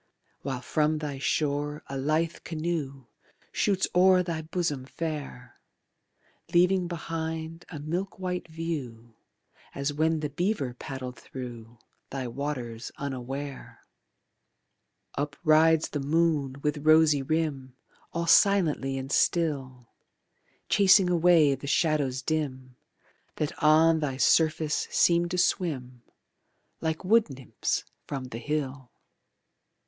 While from thy shore a lithe canoe Shoots o'er thy bosom fair, Leaving behind a milk white view As when the beaver paddled thru Thy waters unaware. Up rides the moon with rosy rim All silently and still, Chasing away the shadows dim That on thy surface seem to swim Like wood nymphs from the hill.